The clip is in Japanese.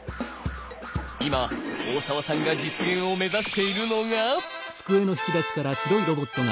今大澤さんが実現を目指しているのが。